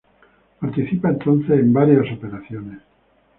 Participa entonces en varias operaciones.